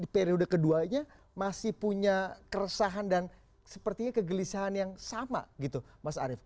dan periode keduanya masih punya keresahan dan sepertinya kegelisahan yang sama gitu mas arief